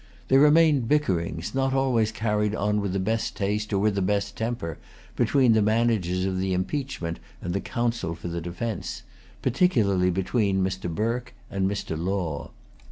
There remained bickerings, not always carried on with the best taste or with the best temper, between the managers of the impeachment and the counsel for the defence, particularly between Mr. Burke and Mr. Law.